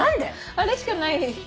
あれしかない。